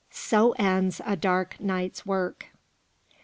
SO ENDS "A DARK NIGHT'S WORK."